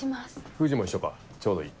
藤も一緒かちょうどいい。